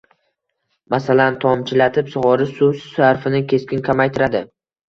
masalan, tomchilatib sug‘orish suv sarfini keskin kamaytiradi.